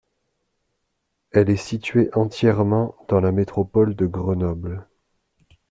Elle est située entièrement dans la métropole de Grenoble.